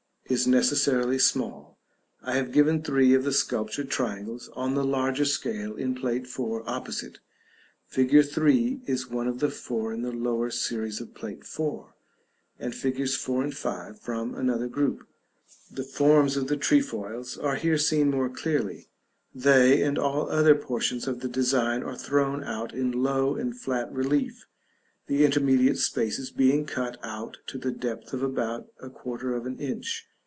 is necessarily small, I have given three of the sculptured triangles on a larger scale in Plate IV. opposite. Fig. 3 is one of the four in the lower series of Plate IV., and figs. 4 and 5 from another group. The forms of the trefoils are here seen more clearly; they, and all the other portions of the design, are thrown out in low and flat relief, the intermediate spaces being cut out to the depth of about a quarter of an inch.